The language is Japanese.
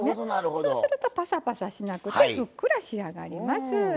そうするとぱさぱさしなくてふっくら仕上がります。